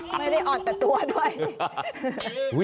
ไม่ได้อ่อนแต่ตัวด้วย